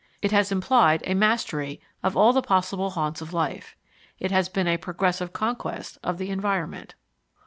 It has implied a mastery of all the possible haunts of life; it has been a progressive conquest of the environment.